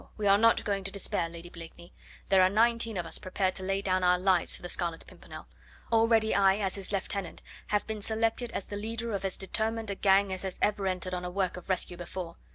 we are not going to despair, Lady Blakeney; there are nineteen of us prepared to lay down our lives for the Scarlet Pimpernel. Already I, as his lieutenant, have been selected as the leader of as determined a gang as has ever entered on a work of rescue before.